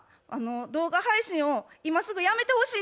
動画配信を今すぐやめてほしいんです。